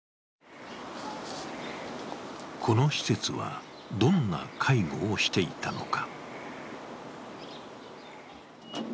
この施設はどんな介護をしていたのか。